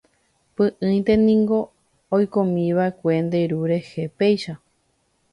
Py'ỹinte niko oikómiva'ekue nde ru rehe péicha.